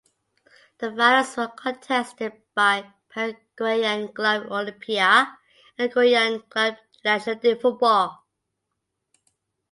The finals were contested by Paraguayan Club Olimpia and Uruguayan Club Nacional de Football.